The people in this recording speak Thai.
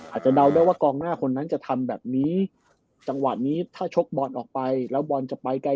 อาจจะเดาได้ว่ากองหน้าคนนั้นจะทำแบบนี้จังหวะนี้ถ้าชกบอลออกไปแล้วบอลจะไปไกล